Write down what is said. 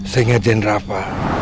saya ngejen rafa